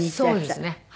そうですね。